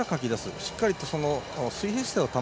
しっかりと水平姿勢